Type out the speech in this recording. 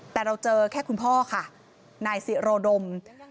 แต่เราเจอแค่คุณพ่อค่ะนายสิโรดม